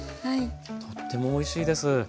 とってもおいしいです。